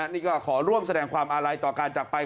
นี่ก็ขอร่วมแสดงความอาลัยต่อการจักรไป